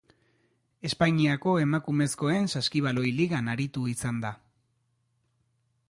Espainiako Emakumezkoen Saskibaloi Ligan aritu izan da.